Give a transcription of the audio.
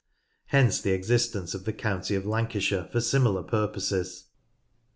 Hence the existence of the county of Lan cashire for similar purposes.